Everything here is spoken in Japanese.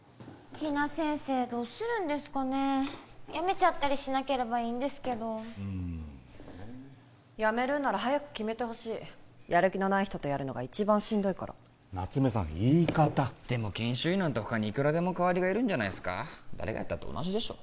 比奈先生どうするんですかね辞めちゃったりしなければいいんですけどうんねえ辞めるんなら早く決めてほしいやる気のない人とやるのが一番しんどいから夏梅さん言い方でも研修医なんて他にいくらでも代わりがいるんじゃないですか誰がやったって同じでしょ